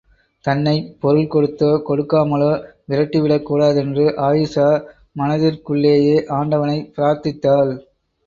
தன்னைப் பொருள் கொடுத்தோ, கொடுக்காமலோ விரட்டிவிடக்கூடாதென்று அயீஷா மனதிற்குள்ளேயே ஆண்டவனைப் பிரார்த்தித்தாள்.